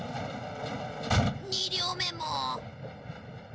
２両目も。